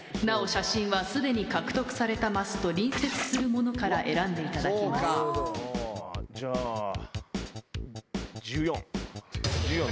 なお写真は既に獲得されたマスと隣接するものから選んでいただきます。